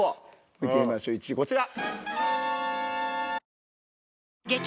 見てみましょう１位こちら。